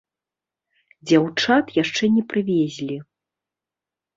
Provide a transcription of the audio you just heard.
Дзяўчат яшчэ не прывезлі.